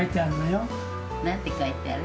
何て書いてある？